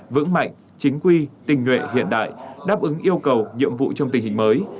vững mạnh chính quy tình nguyện hiện đại đáp ứng yêu cầu nhiệm vụ trong tình hình mới